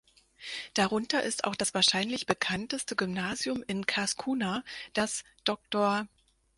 Darunter ist auch das wahrscheinlich bekannteste Gymnasium in Khas Kunar, das "„Dr.